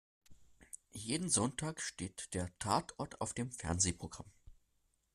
Jeden Sonntag steht der Tatort auf dem Fernsehprogramm.